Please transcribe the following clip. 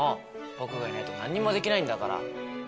僕がいないと何もできないんだから。